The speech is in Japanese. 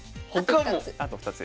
あと２つ。